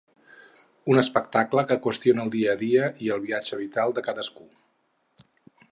Un espectacle que qüestiona el dia a dia i el viatge vital de cadascú.